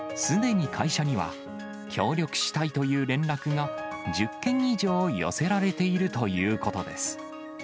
すでに会社には、協力したいという連絡が１０件以上寄せられているということです。